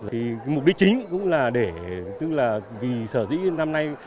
thì mục đích chính cũng là để tức là vì sở dĩ năm nay